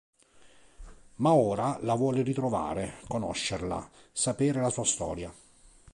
Ma ora la vuole ritrovare, conoscerla, sapere la sua storia.